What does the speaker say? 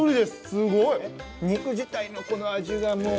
すごい！肉自体のこの味がもうパワフルで。